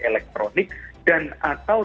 elektronik dan atau